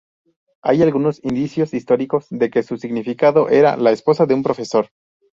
Hay algunos indicios históricos de que su significado era "la esposa de un profesor".